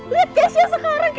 kayak begini lihat mbak endin